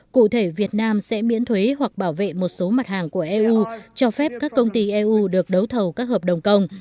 cụ thể việt nam sẽ miễn thuế hoặc bảo vệ một số mặt hàng của eu cho phép các công ty eu được đấu thầu các hợp đồng công